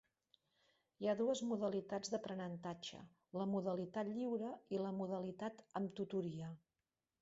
Hi ha dues modalitats d'aprenentatge, la modalitat lliure i la modalitat amb tutoria.